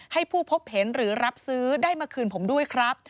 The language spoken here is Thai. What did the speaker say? ให้ผู้พบเห็นหรือรับซื้อได้มาคืนผมด้วยครับ